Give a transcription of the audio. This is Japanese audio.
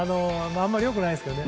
あまり良くないですけどね。